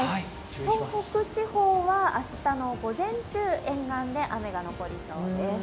東北地方は明日の午前中、沿岸で雨が残りそうです。